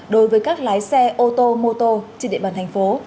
đối với các lái xe ô tô mô tô trên địa bàn thành phố